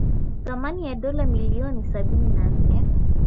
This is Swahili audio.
thamani ya dola milioni sabini na nne